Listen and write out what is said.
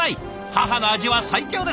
母の味は最強です。